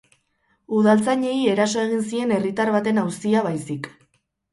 Udaltzainei eraso egin zien herritar baten auzia baizik.